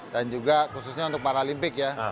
dan juga khususnya untuk paralimpik ya